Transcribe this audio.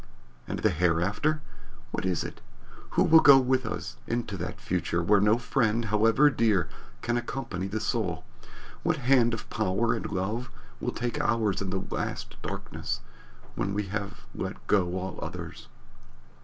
And the Hereafter? What is it? Who will go with us into that future where no friend, however dear, can accompany the soul? What hand of power and love will take ours in the last darkness, when we have let go all others?